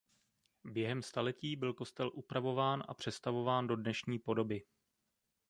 Během staletí byl kostel upravován a přestavován do dnešní podoby.